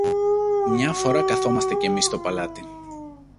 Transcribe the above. Μια φορά καθόμαστε κι εμείς στο παλάτι.